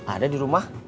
ada di rumah